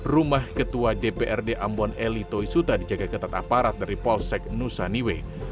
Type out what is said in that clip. rumah ketua dprd ambon eli toisuta dijaga ketat aparat dari polsek nusaniwe